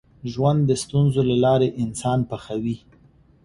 ژوند د ستونزو له لارې انسان پخوي.